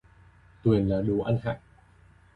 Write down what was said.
Tuyền là đồ ăn hại